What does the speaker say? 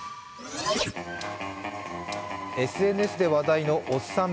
ＳＮＳで話題のおっさん